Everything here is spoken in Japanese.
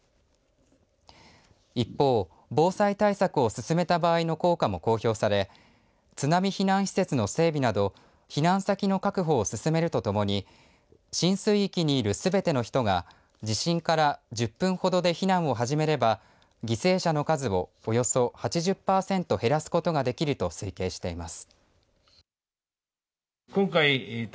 一方、防災対策を進めた場合の効果も公表され津波避難施設の整備など避難先の確保を進めるとともに浸水域にいるすべての人が地震から１０分ほどで避難を始めれば犠牲者の数をおよそ８０パーセント減らすことができると推計しています。